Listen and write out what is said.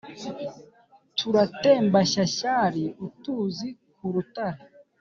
Turatemba shyashyari-Utuzi ku rutare.